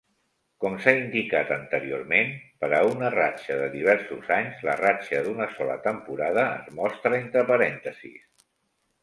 Com s'ha indicat anteriorment, per a una ratxa de diversos anys, la ratxa d'una sola temporada es mostra entre parèntesis.